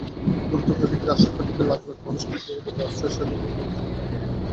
গুরুতর ক্ষয়ক্ষতির আশঙ্কা থেকে লাখ লাখ মানুষকে নিরাপদ আশ্রয়ে সরিয়ে নেওয়া হয়েছে।